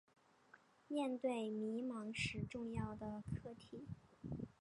面对迷惘时重要的课题